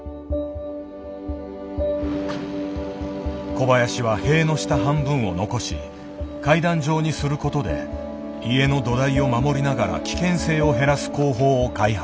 小林は塀の下半分を残し階段状にすることで家の土台を守りながら危険性を減らす工法を開発。